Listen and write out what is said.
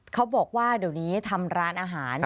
เขาบอกว่าเดี๋ยวนี้ทำร้านอาหาร